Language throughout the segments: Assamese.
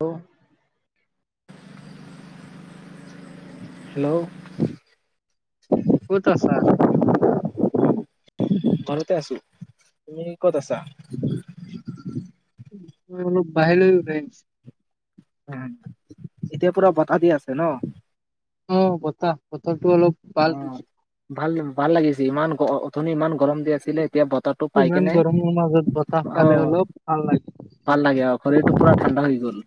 হ হেল্ল' ক'ত আছা? ঘৰতে আছো। তুমি ক'ত আছা? মই অলপ বাহিৰলৈ ওলাই আহিছো। উ এতিয়া পুৰা বটাহ দি আছে ন। উ বতাহ, বতাহ অ ভাল ভাল লাগিছে ইমান অথনি ইমান গৰম দি আছিলে। এতিয়া বতৰটো পাই ইমান কেনে গৰমৰ মাজত বতাহ অ। পালে অলপ ভাল লাগে। ভাল লাগে আৰু ঘৰটো পুৰা ঠাণ্ডা হৈ গ'ল।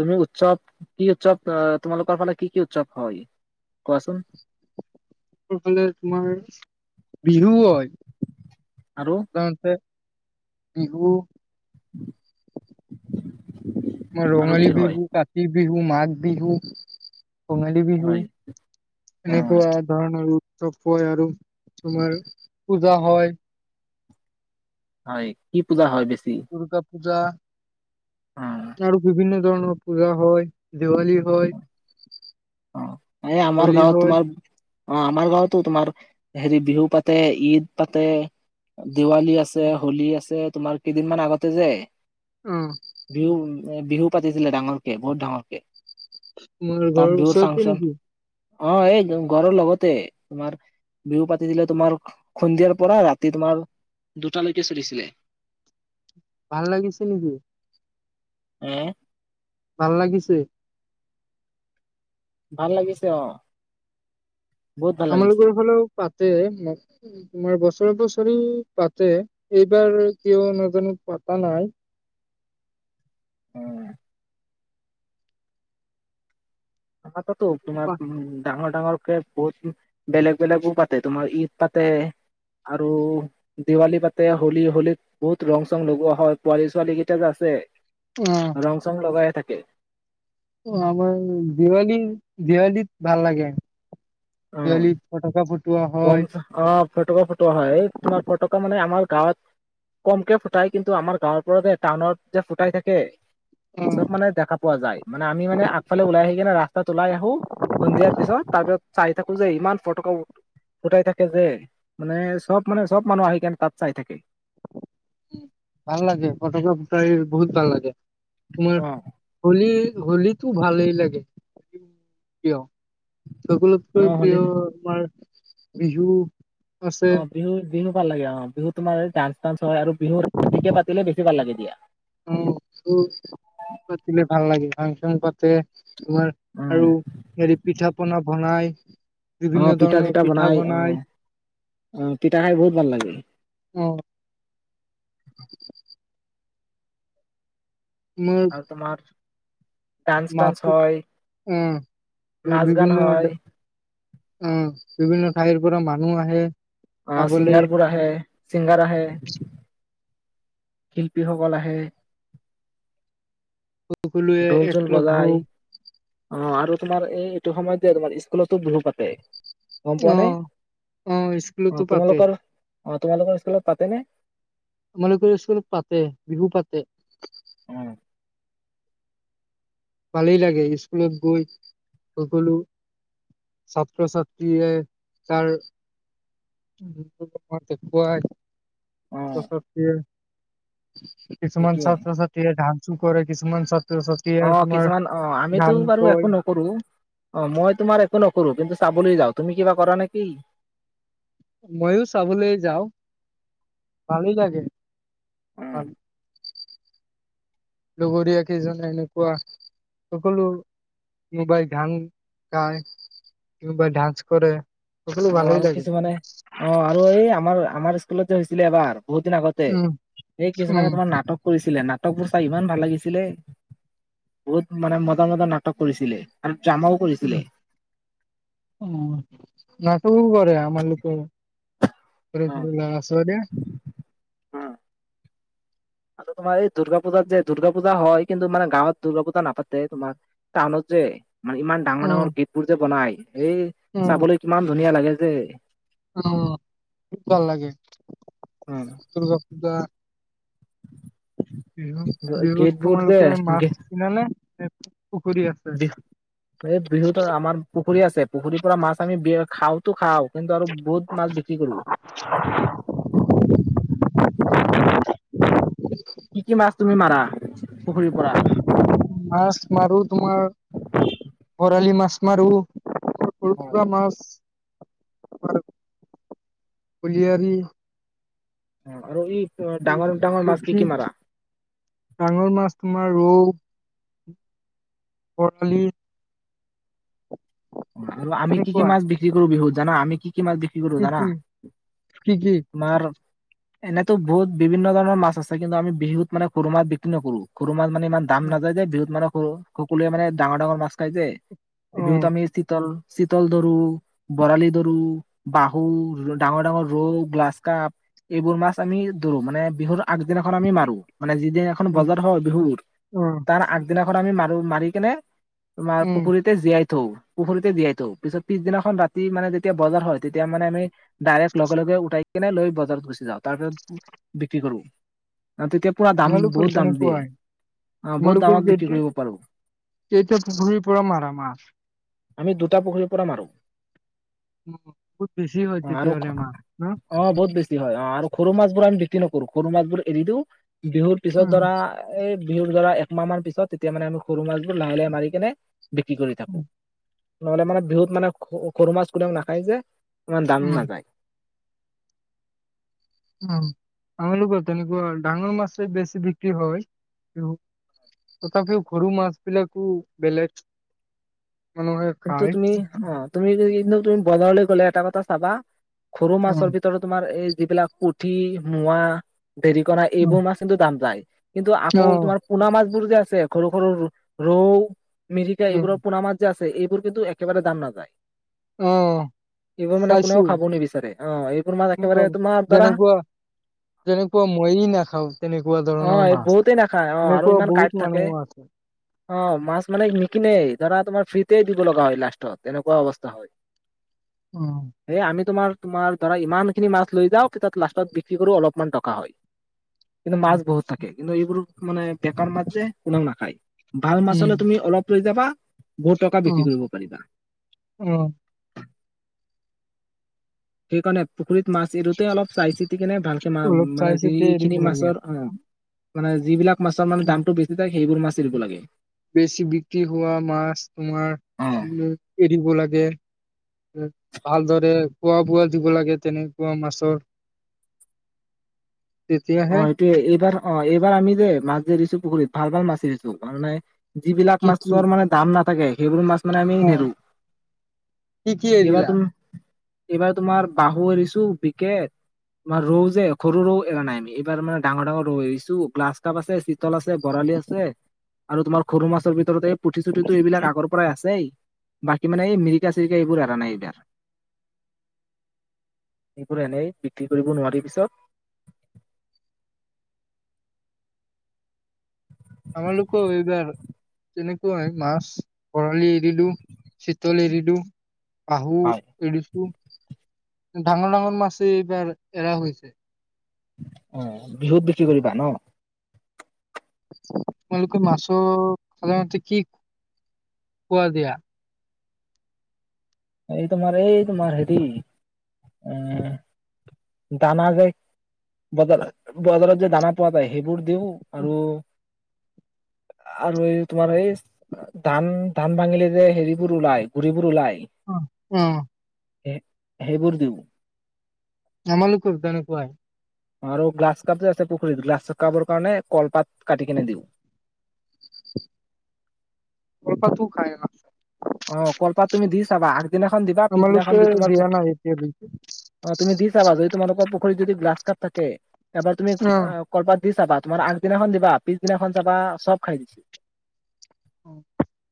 তুমি উৎসৱ, কি উৎসৱ আহ তোমালোকৰ ফালে কি কি উৎসৱ হয়। কোৱাচোন? ফালে তোমাৰ বিহু হয় আৰু সাধাৰণতে। বিহু, আমাৰ আৰু ৰঙালী কি হয়? বিহু, কাতি বিহু, মাঘ বিহু, কঙালী বিহু হয় অ এনেক ধৰণ চ আৰু তোমাৰ পূজা হয় হয় কি পূজা হয় বেছি? দুৰ্গা পূজা অ আৰু বিভিন্ন। ধৰণৰ পূজা হয় দিৱালী হয়। অ এই আমাৰ হোলী গাঁৱত হয়। তোমাৰ। অ আমাৰ গাঁওতো তোমাৰ হেৰি বিহু পাতে ঈদ পাতে। দিৱালী আছে হোলী আছে তোমাৰ কেইদিন মান আগতে যে অ' বিহু বিহু পাতিছিলে ডাঙৰকে বহুত ডাঙৰকে তোমাৰ তাত ঘৰৰ বিহুৰ ওচৰত ফাংচন নেকি? অ এই ঘৰৰ লগতে তোমাৰ। বিহু পাতি দিলে তোমাৰ সন্ধিয়াৰ পৰা ৰাতি তোমাৰ দুটালৈকে চলিছিলে। [unintelligible] ভাল লাগিছে নেকি। আহ ভাল লাগিছে? ভাল লাগিছে অ। বহুত ভাল লাগিছে আমালোকৰ ফালেও পাত তোমাৰ বছৰে বছৰি পাতে এইবাৰ কিয় নাজানো পা পতা নাই। উ আমাৰতাতো তোমাৰ অ উ ডাঙৰ ডাঙৰকে বহুত বেলেগ বেলেগও পাতে তোমাৰ ঈদ পাতে আৰু দিৱালী পাতে হলী হলীত বহুত ৰং চং লগোৱা হয় পোৱালী ছোৱালী কেইটা যে আছে ৰং চং লগাই থাকে আমাৰ দিৱালী দিৱালীত ভাল লাগে অ দেৱালীত ফটকা ফুটাই অ ফটকা ফটকা হয় তোমাৰ ফটকা মানে আমাৰ। গাঁৱত কমকে ফুটাই কিন্তু আমাৰ গাঁৱৰ যে টাউনত যে ফুটাই থাকে। চব মানে দেখা পোৱা যায় মানে আমি মানে আগফালে ওলাই আহি একেবাৰ ৰাস্তাত ওলাই আহো সন্ধিয়াৰ পিছত তাৰ পিছত চাই থাকো যে ইমান ফটকা ফুটাই থাকে যে মানে চব মানে চব মানুহ আহি কেনে তাত চাই থাকে। ভাল লাগে ফটোগ্ৰাফ কৰি বহুত ভাল লাগে। তোমাৰ অ হোলী হোলীতো ভালেই। লাগে প্ৰিয় অ সকলোতকৈ হলি প্ৰিয় আমাৰ বিহু। আছে অ বিহু বিহু ভাল লাগে অ বিহু তোমাৰ ডান্স তানস হয় আৰু বিহু ৰাতিকে পাতিলে বেছি ভাল লাগে দিয়া অ ভাল লাগে ফাংচন পাতে তোমাৰ অ আৰু হেৰি পিঠা পনা বনাই অ পিঠা চিঠা বনাই আহ অ পিঠা খাই বহুত ভাল লাগে অ [unintelligible] আৰু তোমাৰ ডান্স মাক টান্স হয় নাচ গান বিভিন্ন হয় অ বিভিন্ন ঠাইৰ পৰা মানুহ আহে অ চাবলে চিংগাৰপুৰ আহে চিংগাৰ আহে শিল্পীসকল আহে সকলোৱে ঢোল চোল একলগ বজাই। হওঁ অ আৰু তোমাৰ এই এইটো সময়তে তোমাৰ স্কুলতো বিহু পাতে। গম পোৱা নে? অ' অ' স্কুলতো অ পাতে তোমালোকৰ অ তোমালোকৰ স্কুলত পাতেনে? আমালোক স্কুলত পাতে বিহু পাতে। অ ভালেই লাগে স্কুলত গৈ সকলো। ছাত্ৰ ছাত্ৰীয়ে তাৰ অ [unintelligible] কিছুমান এইটোয়ে ছাত্ৰ ছাত্ৰীয়ে ডাঞ্চ কৰে কিছুমান ছাত্ৰ অ ছাত্ৰীয়ে তোমাৰ কিছুমান অ আমিতো গান বাৰু কয় একো নকৰো অ মই তোমাৰ একো নকৰো। কিন্তু চাবলৈ যাওঁ তুমি কিবা কৰা নেকি? ময়ো চাবলৈ যাওঁ ভালেই লাগে। [unintelligible] লগৰীয়া কেইজনে এনেকুৱা সকলো কিবাই গান গায় কিবাই ডাঞ্চ কৰে। সকলো অ ভালেই আৰু লাগে। কিছুমানে অ আৰু এই আমাৰ আমাৰ স্কুলতে হৈছিলে এবাৰ বহুত দিন আগতে উম সেই কিছুমানে উম তোমাৰ নাটক কৰিছে আছিলে নাটক বোৰ চাই ইমান ভাল লাগিছিলে। বহুত মানে মজা মজা নাটক কৰিছিলে। ড্ৰামাও কৰিছিলে। উ উ নাটকো কৰে আমাৰ লোকে। সৰু সৰু ল'ৰা-ছোৱালীয়ে। আৰু তোমাৰ এই দুৰ্গা পূজাত যে দুৰ্গা পূজা হয়, কিন্তু মানে গাঁৱত দুৰ্গা পূজা নাপাতে। তোমাৰ টাউনত যে মানে ইমান ডাঙৰ উম ডাঙৰ গেট বোৰ যে বনাই এই উম চাবলৈ কিমান ধুনীয়া লাগে যে। উম, দূৰ্গা পূজা বিহুত বিহুত গেটবোৰ যে তোমালোকে মাছ কিনা নে? পুখুৰী আছে বিহু এই বিহুত আমাৰ পুখুৰী আছে পুখুৰীৰ পৰা মাছ আমি বি খাওতো খাও। কিন্তু আৰু বহুত মাছ বিক্ৰী কৰো। [unintelligible] কি কি মাছ তুমি মাৰা পুখুৰীৰ পৰা? মাছ মাৰো তোমাৰ বৰালি মাছ মাৰো, সৰু হয়। থকা মাছ [unintelligible] কুলিয়াৰি। অহ, আৰু ই ডাঙৰ ডাঙৰ মাছ কি পুঠি কি মাৰা? [inaudible] ডাঙৰ মাছ তোমাৰ ৰৌ [inaudible] বৰালি অহ, আৰু আমি কি -কি তেনেকুৱাই মাছ বিক্ৰী কৰো বিহুত জানা আমি কি কি মাছ বিক্ৰী কৰোঁ কি জানা কি কি কি তোমাৰ এনেতো বহুত বিভিন্ন ধৰণৰ মাছ আছে কিন্তু আমি বিহুত মানে সৰু মাছ বিক্ৰী নকৰো সৰু মাছ মানে ইমান দাম অ নাযায় যে বিহুত মানে সৰু সকলোৱে মানে ডাঙৰ -ডাঙৰ মাছ খাই যে উ বিহুত আমি চিতল চিতল দৰো, বৰালি দৰো, বাহু, ডাঙৰ -ডাঙৰ ৰৌ, গ্লাছকা এইবোৰ মাছ আমি ধৰো মানে বিহুৰ আগদিনাখন আমি মাৰো। মানে যিদিনাখন বজাৰ অ হয় বিহুৰ তাৰ আগদিনাখন আমি মাৰো মাৰি কিনে তোমাৰ উম পুখুৰীতে জীয়াই থওঁ পুখুৰীতে জীয়াই থওঁ, পিছত পিছদিনাখন ৰাতি মানে যেতিয়া বজাৰ কেনে লৈ বজাৰত গুচি যাওঁ, তাৰ পিছত বিক্ৰী কৰো। ন তেতিয়া পুৰা দাম আমালোকৰ বহুত দাম দিয়ে। তেনেকুৱাই অ বহুত তোমালোকৰ দামত কেই বিক্ৰী কৰিব পাৰো কেইটাত পুখুৰীৰ পৰা মাৰ মাছ? আমি দুটা পুখুৰীৰ পৰা মাৰো। উম, বহুত বেছি হয় অ আৰু তেতিয়াহ'লে মাছ ন অ বহুত বেছি হয় অ আৰু। সৰু মাছ বোৰ আমি বিক্ৰী নকৰো, সৰু মাছ বোৰ এৰি দিওঁ বিহুৰ পিছত উম ধৰা এই বিহুৰ ধৰা একমাহ মান পিছত তেতিয়া মানে আমি সৰু মাছবোৰ লাহে লাহে মাৰি কেনে বিক্ৰী কৰি উম থাকো। নহলে মানে বিহুত মানে সৰু মাছ কোনো নাখায় যে ইে দান উম নাযায়। উম আমালোকৰ তেনেকুৱা ডাঙৰ মাছেই বেছি বিক্ৰী হয়। তথাপিও সৰু মাছ বিলাকো বেলেগ। মানুহে কিন্তু খায় তুমি অহ তুমি য [unintelligible] কিন্তু তুমি বজাৰলৈ গ'লে এটা কথা চাবা সৰু অ মাছৰ ভিতৰত তোমাৰ এই যিবিলাক পুঠি, মোৱা, দেৰিকনা এইবোৰ মাছ কিন্তু দাম যায়। কিন্তু অ আকৌ তোমাৰ পোনা মাছবোৰ যে আছে সৰু- সৰু ৰৌ মিৰিকা উম এইবোৰৰ পুনামাছ যে আছে এইবোৰ কিন্তু একেবাৰে দাম নাযায়। অহ ', এইবোৰ মানে কোনেও খাব নিবিচাৰে অহ এইবোৰ মা তেনেকুৱা একেবাৰে তোমাৰ দাৰা যেনেকুৱা যেনেকুৱা ময়েই নাখাওঁ তেনেকুৱা অ ধৰণৰ মাছ বহুতেই নাখায় এনেকুৱা বহুত মানুহো আছে। অহ, মাছ মানে নিকনেই ধৰা তোমাৰ ফ্ৰীতে দিব লগা হয় লাষ্টত এনেকুৱা অৱস্থা হয়। উম এ আমি তোমাৰ তোমাৰ ধৰা ইমান খিনি মাছ লৈ যাও তে তাত লাষ্টত বিক্ৰী কৰো অলপমান টকা হয়। কিন্তু মাছ বহুত থাকে কিন্তু এইবোৰো মানে বেকাৰ মাছ যে কোনেও নাখায়। ভাল মাছ হলে উম, তুমি অলপ লৈ যাবা টকা বিক্ৰী অ', কৰিব পাৰিবা। অ', সেইকাৰণে পুখুৰীত মাছ এৰোতে অলপ চাই চিতি কেনে ভালকে মা অলপ মানে চাই চিতি এৰিব যিখিনি লাগে। মাছৰ অহ মানে যিবিলাক মাছৰ মানে উম, দামটো বেছি তাক সেইবোৰ মাছ দিব লাগে। বেছি বিক্ৰী হোৱা মাছ তোমাৰ অ উম এৰিব লাগে ভালদৰে খোৱা বোৱা দিব লাগে তেনেকোৱা মাছৰ অহ, তেতিয়াহে এইটোয়ে এইবাৰ অহ এইবাৰ আমি যে মাছ যে এৰিছো পুখুৰীত ভাল- ভাল মাছ এৰিছো কাৰনে যিবিলাক কি কি মাছৰ মানে দাম নাথাকে সেইবোৰ মাছ মানে আমি অ', নেৰু কি কি এইবাৰ এৰিলা? টো এইবাৰ তোমাৰ বাহু এৰিছো বিকেট তোমাৰ ৰৌ যে সৰু ৰৌ এৰা নাই আমি। এইবাৰ মানে ডাঙৰ -ডাঙৰ ৰৌ এৰিছো গ্লাছ কাপ আছে, চিতল আছে, বৰালি আছে আৰু তোমাৰ সৰু মাছৰ ভিতৰতে এই পুঠি চুঠিটো এইবিলাক আগৰ পৰাই আছেই। বাকী মানে এই মিৰিকা, চিৰিকা এইবোৰ এৰা নাই এইবাৰ। এইবোৰ এনেই বিক্ৰী কৰিব নোৱাৰি পিছত আমালোকো এইবাৰ তেনেকুৱাই মাছ বৰালি এৰিলো চিতল এৰিলো। আহু হয় এৰিছো। ডাঙৰ ডাঙৰ মাছেই এইবাৰ এৰা হৈছে অ বিহুত বিক্ৰী কৰিবা ন তোমালোকে মাছৰ সাধাৰণতে কি খোৱা দিয়া এই তোমাৰ এই তোমাৰ হেৰি উম দানা যে বজাৰ বজাৰত যে দানা পোৱা যায় সেইবোৰ দিওঁ আৰু আৰু এই তোমাৰ এই ধান ধান ভাঙিলে যে হেৰিবোৰ ওলাই গুৰিবোৰ ওলাই [unintelligible] উ [unintelligible] সেইবোৰ দিওঁ আমালোকৰ তেনেকুৱাই। আৰু গ্লাছ কাপ যে আছে পুখুৰীত গ্ৰাছ কাপৰ কাৰণে কলপাত কাটি কিনে দিওঁ। কল পাতো খাই [unintelligible] অহ, কলপাত তুমি দি চাবা আগদিনাখন দিবা পিছদিনাখন আমালোকে যি তোমাৰ পু দিয়া নাই এতিয়ালৈকে অহ, তুমি দি চাবা যদি তোমালোকৰ পুখুৰীত যদি গ্ৰাছ কাপ থাকে এবাৰ তুমি অ কলপাত দি চাবা তোমাৰ আগদিনাখন দিবা পিছদিনাখন চাবা চব খাই দিছে।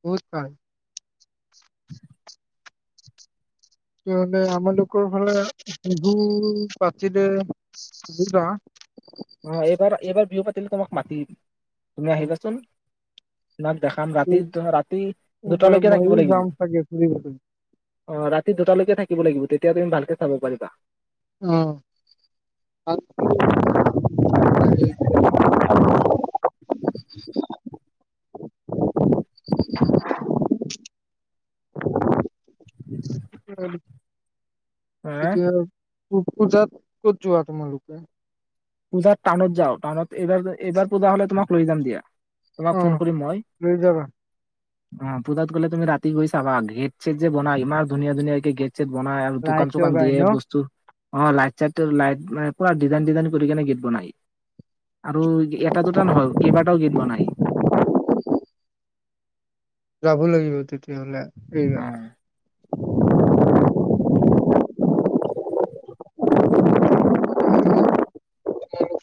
বহুত ভাল। [inaudible] তেতিয়াহলে আমালোকৰ ফালে বিহু পাতিলে দুটা। বি পাতিল তোমাক মাতি তুমি উম, আহিবাচোন [unintelligible] ক দেখাম ৰাতি ৰাতি এইবাৰ দুটালৈকে থাকিব ময়ো লাগিব যাম চাগে ফুৰিবলৈ অ ৰাতি দুটালৈকে থাকিব লাগিব তেতিয়া তুমি ভালকে চাব পাৰিবা অ [unintelligible] লাগে। [inaudible] [unintelligible] [inaudible] হ এতিয়া [unintelligible] গুজাত কত যোৱা তমালোকে পূজাৰ টানত যাও টানত এইবাৰ এইবাৰ পূজা হলে তোমাক লৈ যাম দিয়া তোমাক অ ফোন কৰিম মই লৈ যাবা অ পূজাত গলে তুমি ৰাতি গৈ চাবা ঘেটচে যেনোৱা ইমান ধুনীয়া ধুনীয়ে গেট [unintelligible] বনাই আৰু দোকান লাইট চোকান লগাই দিয়ে ন বস্তু অ লাইট চাইট লাইট মানে পুৰা ডিজাই ডিজাইন [unintelligible] কৰি কেনে গীত বনায় আৰু এটা দুটা নহয় কেইবাটাও গীত বনাই [inaudible] যাব লাগিব তেতিয়াহ'লে উ এইবাৰ। [inaudible]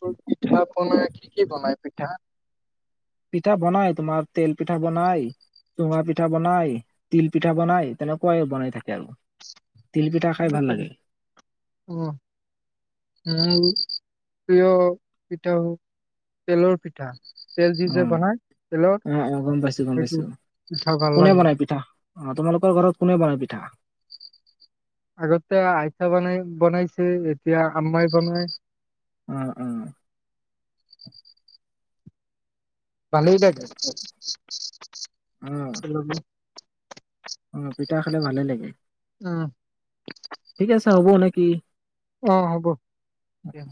ৰ পিঠা পনা কি কি বনাই পিঠা পিঠা বনাই তোমাৰ তেল পিঠা বনাই চুঙা পিঠা বনাই তিল পিঠা বনাই তেনেকুৱাই বনাই থাকে আৰু তিল পিঠা খাই ভাল লাগে অ আহ [unintelligible] প্ৰিয় পিঠা হও তেলৰ পিঠা [unintelligible] উ যে বনাই তেলৰ আহ আহ গম পাইছো গম সেইটো পাইছো পিঠা ভাল কোনে লাগে বনাই পিঠা অ তোমালোকৰ ঘৰত কোনে বনাই পিঠা আগতে আইতা বনাই বনাইছে এতিয়া আম্মাই বনাই উম উম ভালে থাকে অ অ পিতা খালে ভালে লাগে উম ঠিক আছে হ'ব নেকি? অ হ'ব দিয়া